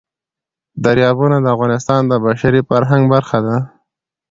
دریابونه د افغانستان د بشري فرهنګ برخه ده.